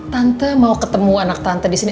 tante mau ketemu anak tante di sini